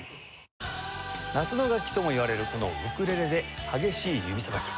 夏の楽器ともいわれるこのウクレレで激しい指さばき。